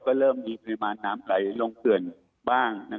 ก็เริ่มมีปริมาณน้ำไหลลงเขื่อนบ้าง